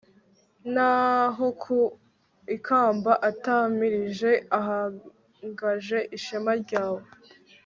naho ku ikamba atamirije haganje ishema ryawe